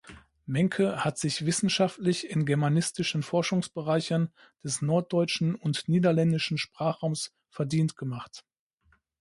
Menke hat sich wissenschaftlich in germanistischen Forschungsbereichen des norddeutschen und niederländischen Sprachraums verdient gemacht.